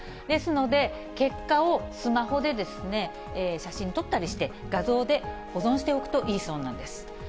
ですので、結果をスマホで写真撮ったりして、画像で保存しておくといいそうなんです。